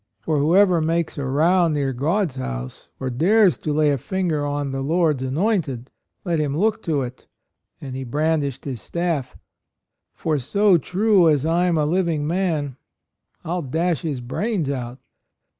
For who ever makes a row near God's house or dares to lay a finger on the Lord's anointed, let him look to it" — and he brandished his staff, — "for so true as I'm a living man I'll dash his brains out!"